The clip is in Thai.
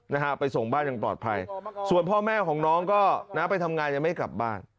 นะฮะไปส่งบ้านอย่างปลอดภัยส่วนพ่อแม่ของน้องก็นะไปทำงานยังไม่กลับบ้าน